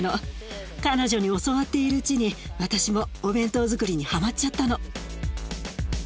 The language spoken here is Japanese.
彼女に教わっているうちに私もお弁当づくりにハマっちゃったの。